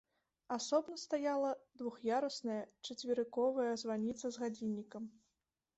Асобна стаяла двух'ярусная чацверыковая званіца з гадзіннікам.